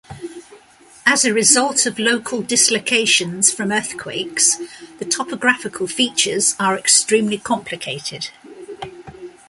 As a result of local dislocations from earthquakes, the topographical features are extremely complicated.